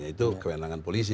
itu kewenangan polisi